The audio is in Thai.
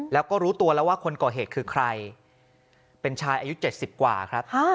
แล้วก็รู้ตัวแล้วว่าคนก่อเหตุคือใครเป็นชายอายุ๗๐กว่าครับ